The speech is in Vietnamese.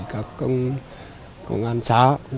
các công an xá